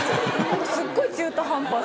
すっごい中途半端。